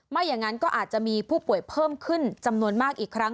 ไม่อย่างนั้นก็อาจจะมีผู้ป่วยเพิ่มขึ้นจำนวนมากอีกครั้ง